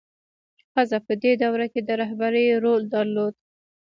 ښځه په دې دوره کې د رهبرۍ رول درلود.